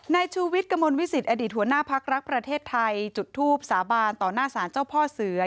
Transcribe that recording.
ชูวิทย์กระมวลวิสิตอดีตหัวหน้าพักรักประเทศไทยจุดทูบสาบานต่อหน้าศาลเจ้าพ่อเสือ